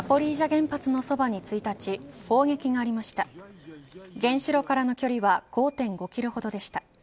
原子炉からの距離は５．５キロほどでした。